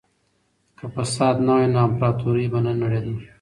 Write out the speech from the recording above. که فساد نه وای نو امپراطورۍ به نه نړېده.